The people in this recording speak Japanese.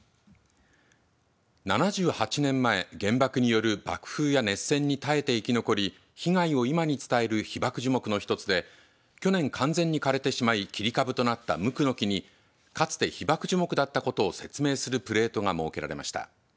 ７８年前、原爆による爆風や熱線に耐えて生き残り被害を今に伝える被爆樹木の一つで去年、完全に枯れてしまい切り株となったムクノキに、かつて被爆樹木だったことを説明するプレートが設けられました。